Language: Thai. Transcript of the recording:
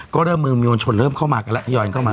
ก็เริ่มมีมวลชนเริ่มเข้ามากันแล้วทยอยเข้ามา